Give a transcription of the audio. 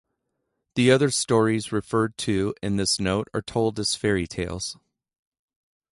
The other stories referred to in this note are told as fairy tales.